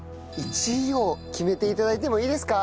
１位を決めて頂いてもいいですか？